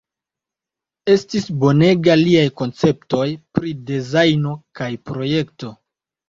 Estis bonega liaj konceptoj pri dezajno kaj projekto.